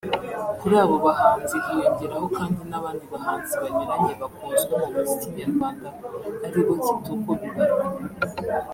Kuri abo bahanzi hiyongeraho kandi n’abandi bahanzi banyuranye bakunzwe mu muziki nyarwanda ari bo Kitoko Bibarwa